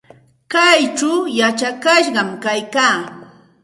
Kaychaw yachakashqam kaykaa.